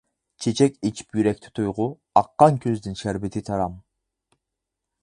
چېچەك ئېچىپ يۈرەكتە تۇيغۇ، ئاققان كۆزدىن شەربىتى تارام.